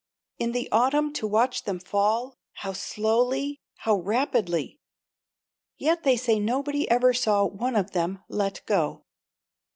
In the autumn to watch them fall how slowly, how rapidly! Yet they say nobody ever saw one of them let go.